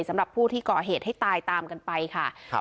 สำหรับผู้ที่ก่อเหตุให้ตายตามกันไปค่ะครับ